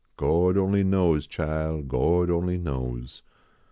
Gord only knows, chile, (iord only knows.